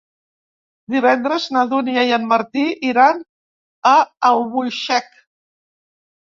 Divendres na Dúnia i en Martí iran a Albuixec.